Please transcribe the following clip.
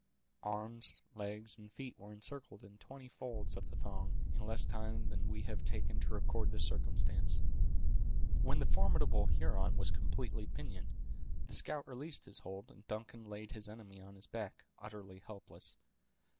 Arms, legs, and feet were encircled in twenty folds of the thong, in less time than we have taken to record the circumstance. When the formidable Huron was completely pinioned, the scout released his hold, and Duncan laid his enemy on his back, utterly helpless.